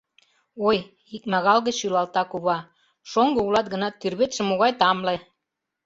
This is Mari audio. — Ой... — икмагал гыч шӱлалта кува, — шоҥго улат гынат, тӱрветше могай тамле...